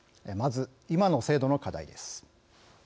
まず、今の制度の課題です。